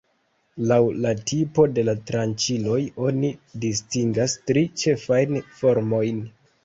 Laŭ la tipo de la tranĉiloj oni distingas tri ĉefajn formojn.